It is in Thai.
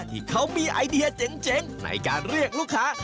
ที่เขามีไอเดียเจ๋งในการเรียกลูกค้า